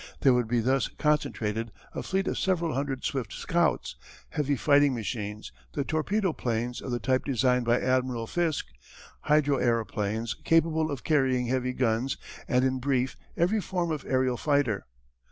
There would be thus concentrated a fleet of several hundred swift scouts, heavy fighting machines, the torpedo planes of the type designed by Admiral Fiske, hydroaëroplanes capable of carrying heavy guns and in brief every form of aërial fighter.